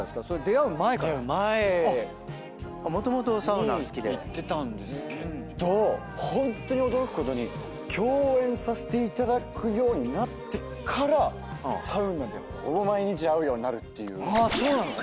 出会う前に行ってたんですけどホントに驚くことに共演させていただくようになってからサウナでほぼ毎日会うようになるっていう。